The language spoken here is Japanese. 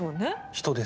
人です。